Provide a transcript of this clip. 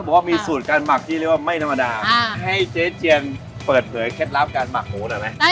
ลุ้งอามยนต์คนหมักหมูให้ดู